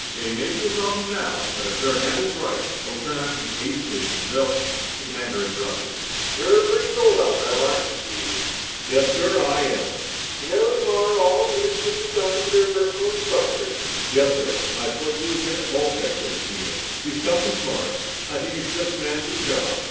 They may be a problem now, but if they're handled right, they'll turn out to be ace spacemen, they'll " The commander interrupted. "You're pretty sold on them, aren't you, Steve?" "Yes, sir, I am." "You know, tomorrow all the units will be assigned to their personal instructors." "Yes, sir. And I've selected Lieutenant Wolcheck for this unit. He's tough and smart. I think he's just the man for the job."